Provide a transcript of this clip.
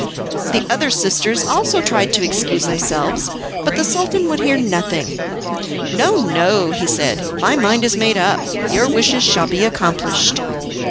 The other sisters also tried to excuse themselves, but the Sultan would hear nothing. "No, no," he said, "my mind is made up. Your wishes shall be accomplished."